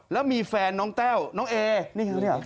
และมีแฟนน้องเต้วรื่องน้องแเอน